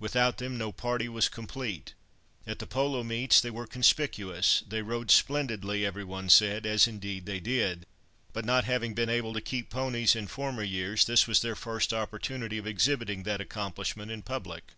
Without them no party was complete. At the polo meets they were conspicuous; they rode splendidly, every one said, as indeed they did, but not having been able to keep ponies in former years, this was their first opportunity of exhibiting that accomplishment in public.